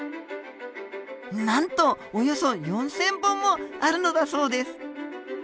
なんとおよそ４，０００本もあるのだそうです。